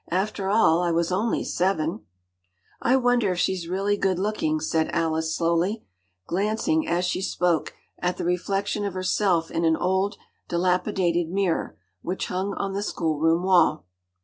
After all I was only seven.” “I wonder if she’s really good looking,” said Alice slowly, glancing, as she spoke, at the reflection of herself in an old dilapidated mirror, which hung on the schoolroom wall.